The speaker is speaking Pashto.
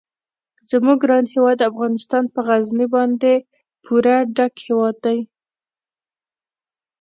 زموږ ګران هیواد افغانستان په غزني باندې پوره ډک هیواد دی.